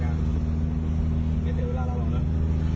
แค่เก็บเวลาเราเราลงนึง